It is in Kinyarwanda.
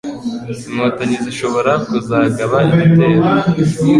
Inkotanyi zishobora kuzagaba igitero,